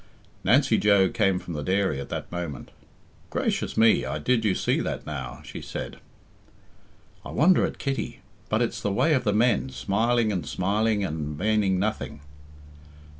Nancy Joe came from the dairy at that moment. "Gracious me I did you see that now?" she said. "I wonder at Kitty. But it's the way of the men, smiling and smiling and maning nothing."